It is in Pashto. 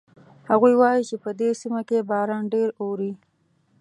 هغوی وایي چې په دې سیمه کې باران ډېر اوري